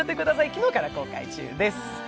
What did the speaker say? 昨日から公開中です。